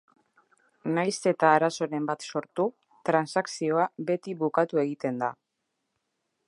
Nahiz eta arazoren bat sortu, transakzioa beti bukatu egiten da.